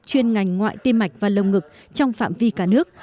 chuyên ngành ngoại tiêm mạch và lồng ngực trong phạm vi cả nước